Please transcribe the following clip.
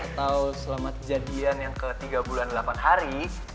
atau selama kejadian yang ketiga bulan delapan hari